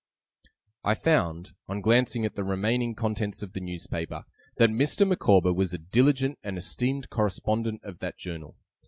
I found, on glancing at the remaining contents of the newspaper, that Mr. Micawber was a diligent and esteemed correspondent of that journal.